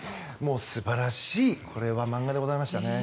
素晴らしいこれは漫画でございました。